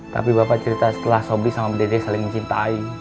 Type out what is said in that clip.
tapi bapak cerita setelah sobri sama dede saling mencintai